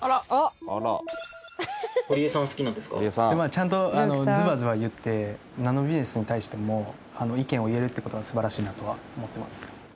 ちゃんとズバズバ言ってなんのビジネスに対しても意見を言えるっていう事は素晴らしいなとは思ってます。